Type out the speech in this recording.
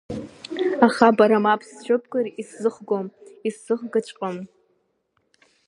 Аха бара мап сцәыбкыр исзыхгом, исзыхгаҵәҟьом!